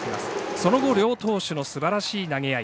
その後、両投手のすばらしい投げ合い。